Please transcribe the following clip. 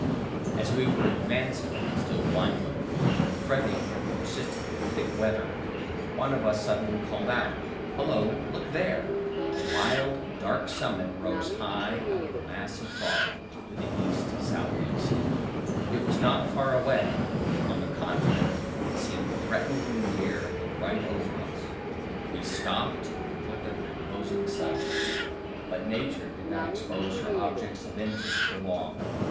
As we were advancing, still blindly, and fretting at the persistently thick weather, one of us suddenly called out: "Hullo, look there!" A wild, dark summit rose high out of the mass of fog to the east south east. It was not far away on the contrary, it seemed threateningly near and right over us. We stopped and looked at the imposing sight, but Nature did not expose her objects of interest for long.